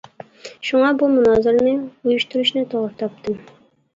شۇڭا بۇ مۇنازىرىنى ئۇيۇشتۇرۇشنى توغرا تاپتىم!